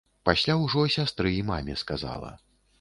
Пасля ўжо сястры і маме сказала.